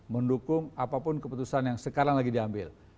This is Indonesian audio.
mendukung apapun keputusan yang sekarang lagi diambil